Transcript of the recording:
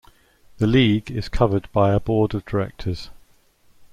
The League is governed by a Board of Directors.